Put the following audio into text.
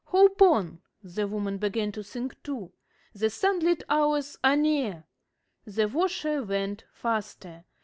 "Hope on!" The woman began to sing too. "The sunlit hours are near!" The washer went faster.